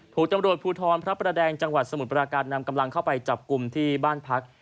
ถูกตำรวจภูทรพระประแดงจังหวัดสมุทรปราการนำกำลังเข้าไปจับกลุ่มที่บ้านพัก